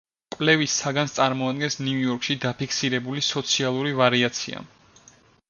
კვლევის საგანს წარმოადგენს ნიუ იორკში დაფიქსირებული სოციალური ვარიაცია.